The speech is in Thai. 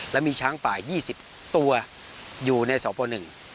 และมีช้างป่า๒๐ตัวอยู่ในสป๑